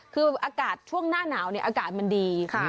คืออากาศช่วงหน้าหนาวเนี่ยอากาศมันดีค่ะ